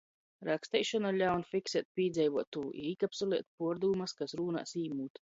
Raksteišona ļaun fiksēt pīdzeivuotū i īkapsulēt puordūmys, kas rūnās īmūt.